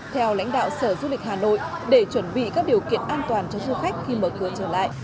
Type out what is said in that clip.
theo lãnh đạo sở du lịch hà nội để chuẩn bị các điều kiện an toàn cho du khách khi mở cửa trở lại